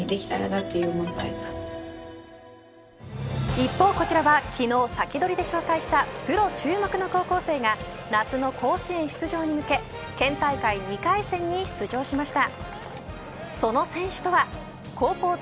一方こちらは昨日サキドリで紹介したプロ注目の高校生が夏の甲子園出場に向け県大会２回戦に出場しました。